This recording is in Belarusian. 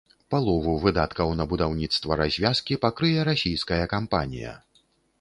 Палову выдаткаў на будаўніцтва развязкі пакрые расійская кампанія.